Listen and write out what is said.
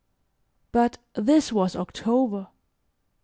But this was October.